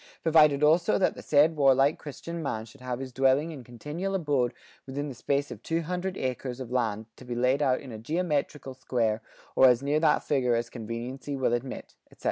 Provided also that the said warlike christian man shall have his dwelling and continual abode within the space of two hundred acres of land to be laid out in a geometricall square or as near that figure as conveniency will admit," etc.